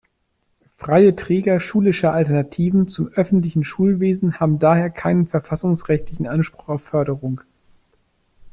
Freie Träger schulischer Alternativen zum öffentlichen Schulwesen haben daher keinen verfassungsrechtlichen Anspruch auf Förderung.